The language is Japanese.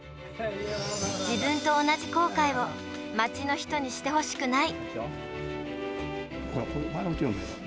自分と同じ後悔を街の人にしてほしくない。